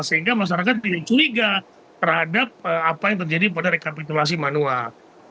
sehingga masyarakat tidak curiga terhadap apa yang terjadi pada rekapitulasi manual